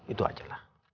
itu aja lah